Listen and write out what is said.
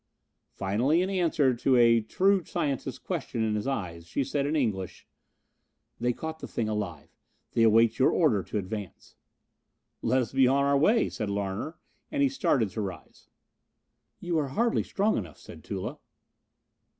Finally, in answer to a true scientist's question in his eyes, she said in English: "They caught the thing alive. They await your order to advance." "Let us be on our way," said Larner, and he started to arise. "You are hardly strong enough," said Tula.